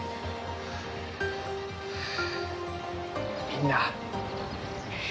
みんな。